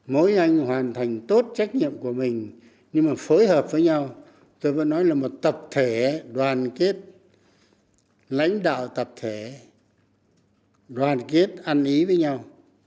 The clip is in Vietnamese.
mỗi anh hoàn thành tốt trách nhiệm của mình nhưng mà phối hợp với nhau tôi vẫn nói là một tập thể đoàn kết lãnh đạo tập thể đoàn kết ăn ý với nhau